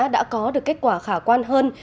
đã có được kết quả khả quan hơn